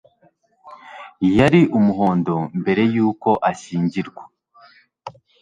Yari Umuhondo mbere yuko ashyingirwa.